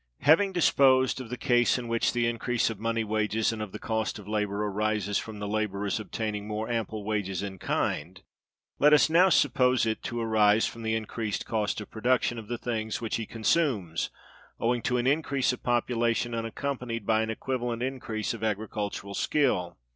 Having disposed of the case in which the increase of money wages, and of the Cost of Labor, arises from the laborer's obtaining more ample wages in kind, let us now suppose it to arise from the increased cost of production of the things which he consumes, owing to an increase of population unaccompanied by an equivalent increase of agricultural skill.